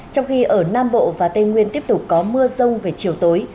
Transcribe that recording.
trong khi ở nam bộ và tây nguyên tiếp tục có mưa rông về chiều tối